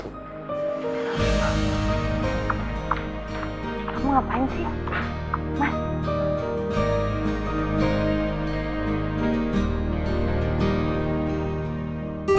kamu ngapain sih